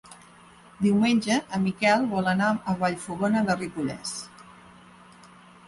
Diumenge en Miquel vol anar a Vallfogona de Ripollès.